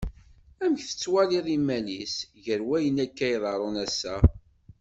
Amek tettwaliḍ imal-is gar wayen akka iḍerrun ass-a?